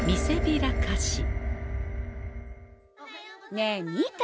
ねえ見た？